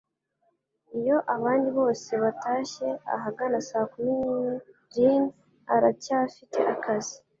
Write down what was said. Iyo abandi bose batashye ahagana saa kumi n'imwe Lynn aracyafite akazi